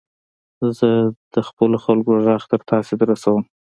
زه د خپلو خلکو ږغ تر تاسي در رسوم.